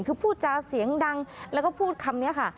คือพูดจาเสียงดังแล้วก็พูดคำนี้ค่ะ